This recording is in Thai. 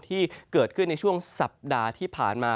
ที่เกิดขึ้นในช่วงสัปดาห์ที่ผ่านมา